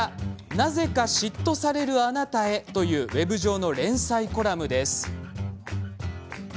「なぜか嫉妬されるあなたへ」というウェブ上の連載コラムです。